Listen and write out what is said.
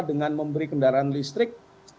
dengan memberi kendaraan listrik